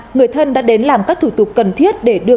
người thân đã đến làm các thủ tục cần thiết để đưa